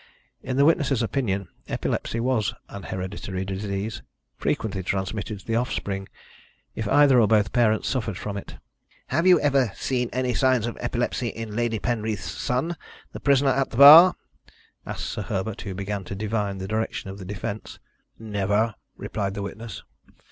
In the witness's opinion epilepsy was an hereditary disease, frequently transmitted to the offspring, if either or both parents suffered from it. "Have you ever seen any signs of epilepsy in Lady Penreath's son the prisoner at the bar?" asked Sir Herbert, who began to divine the direction of the defence. "Never," replied the witness.